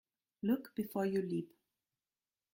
Look before you leap.